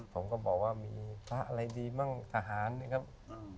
ผมก็บอกว่ามีอะไรดีบ้างทหารนะครับอืม